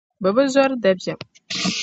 Bɛ bi zɔri dabiɛm.